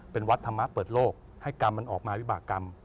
เป็นวัดธรรมะเปิดโลกให้กรรมมันออกมาวิบากรรม